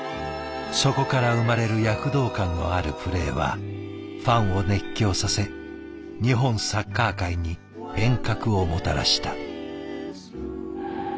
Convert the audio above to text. そこから生まれる躍動感のあるプレーはファンを熱狂させ日本サッカー界に変革をもたらした。